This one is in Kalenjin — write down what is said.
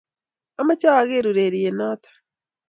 Ameche ageer ureriet noto